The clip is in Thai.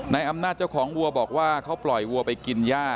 อำนาจเจ้าของวัวบอกว่าเขาปล่อยวัวไปกินย่า